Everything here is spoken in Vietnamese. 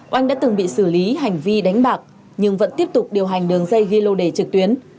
oanh đã từng bị xử lý hành vi đánh bạc nhưng vẫn tiếp tục điều hành đường dây ghi lô đề trực tuyến